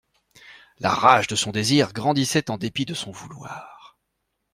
La rage de son désir grandissait en dépit de son vouloir.